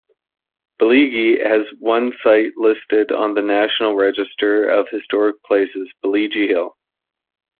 Boligee has one site listed on the National Register of Historic Places, Boligee Hill.